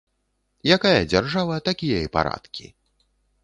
Якая дзяржава, такія і парадкі.